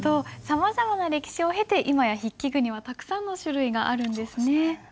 さまざまな歴史を経て今や筆記具にはたくさんの種類があるんですね。